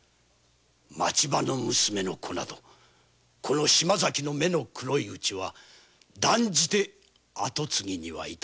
町場の娘の子などこの島崎の目の黒いうちは断じて跡継ぎには。